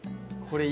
これ。